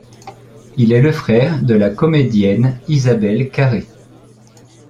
Il est le frère de la comédienne Isabelle Carré.